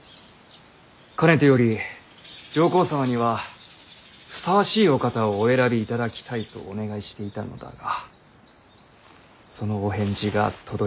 かねてより上皇様にはふさわしいお方をお選びいただきたいとお願いしていたのだがそのお返事が届いた。